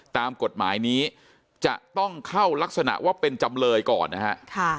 ตามกฎหมายนี้จะต้องเข้ารักษณะว่าเป็นจำเลยก่อนนะฮะ